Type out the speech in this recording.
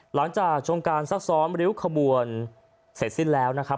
หลังจากชมการซักซ้อมริ้วขบวนเสร็จสิ้นแล้วนะครับ